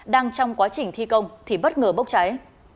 đang trong quá trình thi công thì bất ngờ bốc cháy